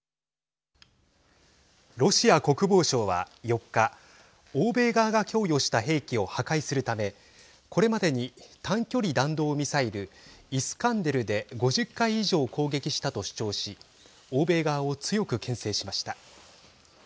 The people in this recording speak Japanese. ロシア国防省は、４日欧米側が供与した兵器を破壊するためこれまでに、短距離弾道ミサイルイスカンデルで５０回以上、攻撃したと主張し欧米側を強くけん制しました。